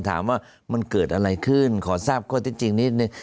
ถามว่ามันเกิดอะไรขึ้นขอทราบข้อที่จริงนิดนึง